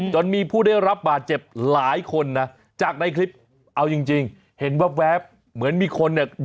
จนมีผู้ได้รับบาดเจ็บหลายคนนะจากในคลิปเอาจริงเห็นแว๊บเหมือนมีคนเนี่ย